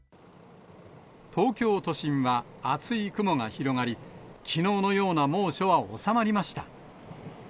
東京都心は厚い雲が広がり、きのうのような猛暑は収まりました。